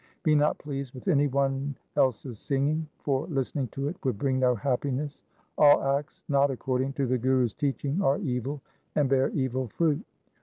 Be not pleased with any one else's singing, for listening to it would bring no happiness. All acts not according to the Guru's teaching are evil, and bear evil fruit.